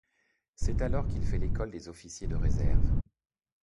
C’est alors qu’il fait l’École des officiers de réserve.